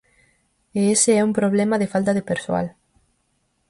E ese é un problema de falta de persoal.